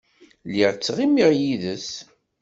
Lliɣ ttɣimiɣ yid-s.